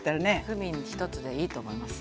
クミン一つでいいと思います。